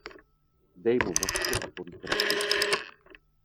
Dej mu masku a poví pravdu.